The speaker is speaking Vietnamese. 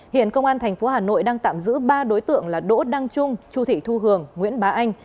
hiện công an tp hà nội đang tạm giữ ba đối tượng là đỗ đăng trung chu thị thu hường nguyễn bá anh